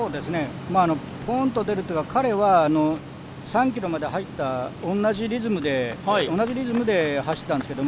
ポーンと出るというか、彼は３ｋｍまで入った同じリズムで走ってたんですけど、